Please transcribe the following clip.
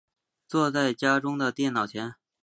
坐在家中的电脑前